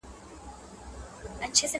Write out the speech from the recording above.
زه لا اوس روانېدمه د توپان استازی راغی!.